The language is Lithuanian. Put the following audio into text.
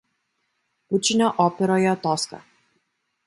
Pučinio operoje „Toska“.